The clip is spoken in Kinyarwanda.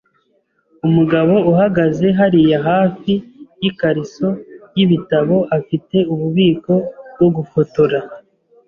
Umugabo uhagaze hariya hafi yikariso yibitabo afite ububiko bwo gufotora.